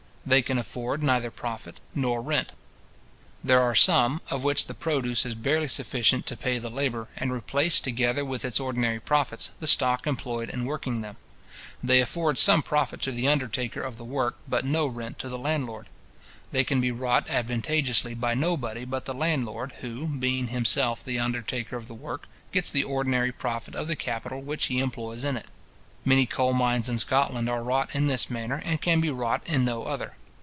They can afford neither profit nor rent. There are some, of which the produce is barely sufficient to pay the labour, and replace, together with its ordinary profits, the stock employed in working them. They afford some profit to the undertaker of the work, but no rent to the landlord. They can be wrought advantageously by nobody but the landlord, who, being himself the undertaker of the work, gets the ordinary profit of the capital which he employs in it. Many coal mines in Scotland are wrought in this manner, and can be wrought in no other.